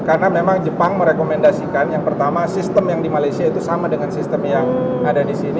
karena memang jepang merekomendasikan yang pertama sistem yang di malaysia itu sama dengan sistem yang ada di sini